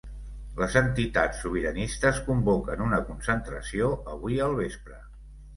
Les entitats sobiranistes convoquen una concentració avui al vespre